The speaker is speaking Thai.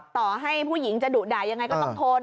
ต่อให้ผู้หญิงจะดุด่ายังไงก็ต้องทน